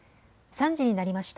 ３時になりました。